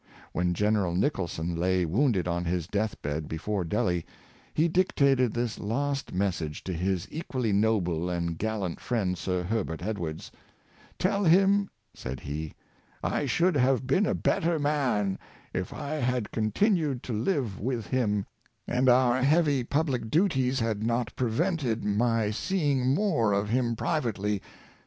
When General Nichol son lay wounded on his death bed before Delhi, he dic tated this last message to his equally noble and gallant friend, Sir Herbert Edwards: " Tell him," said he, " I should have been a better man if I had continued to live with him, and our heavy public duties had not prevented my seeing more of him privately.